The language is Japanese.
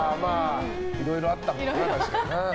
いろいろあったもんな、確かに。